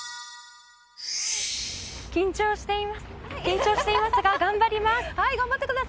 緊張していますが頑張ります。